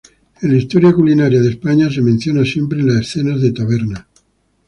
En la historia culinaria de España se menciona siempre en las escenas de taberna.